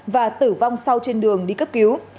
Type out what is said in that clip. và tử vong sau trên đường đi cấp cứu